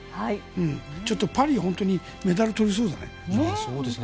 ちょっとパリでは本当にメダル取りそうだね。